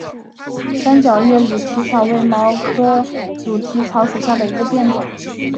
三角叶驴蹄草为毛茛科驴蹄草属下的一个变种。